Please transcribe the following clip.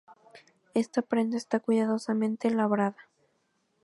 Esta prenda está cuidadosamente labrada.